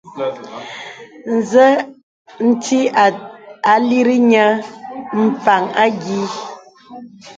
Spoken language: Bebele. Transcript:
Nzə nti ǐ lìrì nyə̄ m̀pàŋ ànyìì.